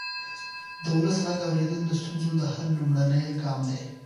د ولس غږ اورېدل د ستونزو د حل لومړنی ګام دی